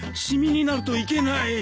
染みになるといけない。